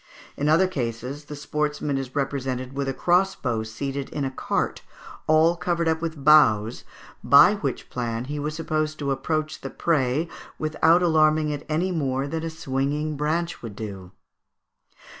In other cases the sportsman is represented with a crossbow seated in a cart, all covered up with boughs, by which plan he was supposed to approach the prey without alarming it any more than a swinging branch would do (Fig.